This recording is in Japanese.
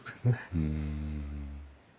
うん。